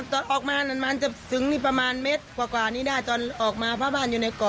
ตอนออกมามันจะถึงนี่ประมาณเมตรกว่านี้ได้ตอนออกมาเพราะบ้านอยู่ในเกาะ